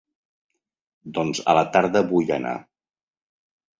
Doncs a la tarda vull anar.